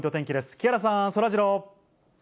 木原さん、そらジロー。